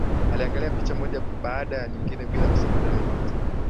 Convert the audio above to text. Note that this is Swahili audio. Aliangalia picha moja baada ya nyingine bila kusema neno lolote